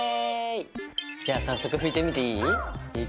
じゃあ早速拭いてみていい？